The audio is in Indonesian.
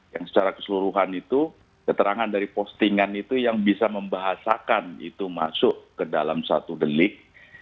yang secara keseluruhan itu keterangan dari postingan itu yang bisa membahasakan itu masuk ke dalam satu delik